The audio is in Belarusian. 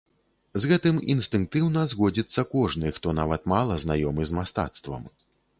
З гэтым інстынктыўна згодзіцца кожны, хто нават мала знаёмы з мастацтвам.